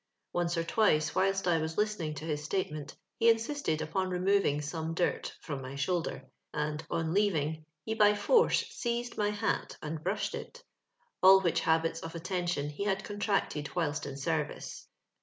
Once or twice whilst I was listening to his statement he insisted upon removing some dirt fi:t>m my shoulder, and, on leaving, he by force seized my hat and brushed it — all which habits of attention he had contracted whilst in service.